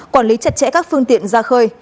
quản lý chặt chẽ các phương tiện ra khơi